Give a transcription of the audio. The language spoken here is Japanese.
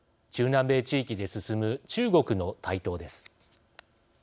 南米地域で進む中国の台頭です。